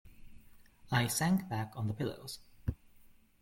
I sank back on the pillows.